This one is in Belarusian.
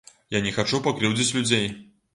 Я не хачу пакрыўдзіць людзей.